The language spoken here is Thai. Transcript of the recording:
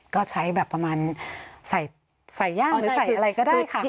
ก็ใช้แบบประมาณใส่ย่างหรือใส่อะไรก็ได้ค่ะ